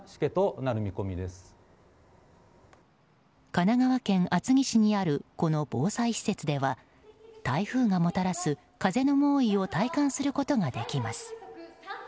神奈川県厚木市にあるこの防災施設では台風がもたらす風の猛威を体感することができます。